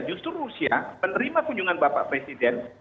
justru rusia menerima kunjungan bapak presiden